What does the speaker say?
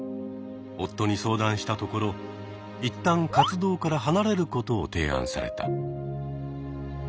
夫に相談したところ一旦活動から離れることを提案された。